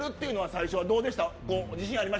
最初はどうでしたか